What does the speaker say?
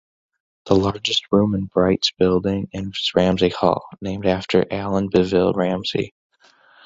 The largest room in Bright's Building is Ramsay Hall, named after Allen Beville Ramsay.